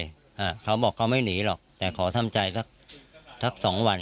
ก่อนที่จะหนีไปอ่ะเขาบอกเขาไม่หนีหรอกแต่ขอทำใจสักสองวัน